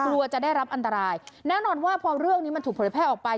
กลัวจะได้รับอันตรายแน่นอนว่าพอเรื่องนี้มันถูกเผยแพร่ออกไป